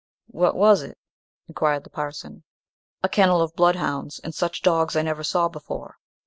"What was it?" inquired the parson. "A kennel of bloodhounds; and such dogs I never saw before.